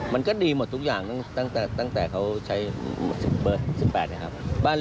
มันก็ดีหมดทุกอย่างตั้งแต่เขาใช้เบอร์๑๘นะครับ